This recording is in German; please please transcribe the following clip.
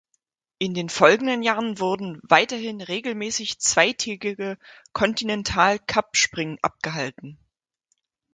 In den folgenden Jahren wurden weiterhin regelmäßig zweitägige Continental-Cup-Springen abgehalten.